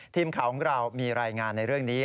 ทีมข่าวของเรามีรายงานในเรื่องนี้